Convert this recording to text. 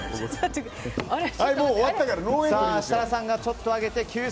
設楽さんがちょっと上げて。